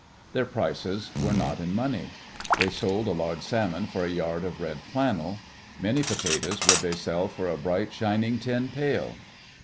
Their prices were not in money. They sold a large salmon for a yard of red flannel; many potatoes would they sell for a bright, shining tin pail.